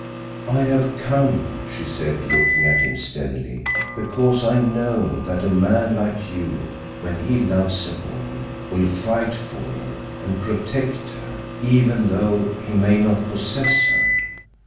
"I have come," she said, looking at him steadily, "because I know that a man like you, when he loves a woman, will fight for her and protect her even though he may not possess her."